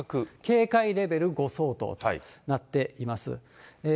警戒レベル５相当となっています。